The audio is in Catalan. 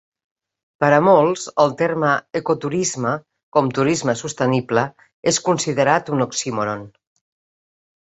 Per a molts, el terme "ecoturisme", com "turisme sostenible", és considerat un oxímoron.